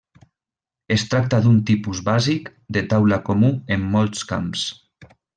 Es tracta d'un tipus bàsic de taula comú en molts camps.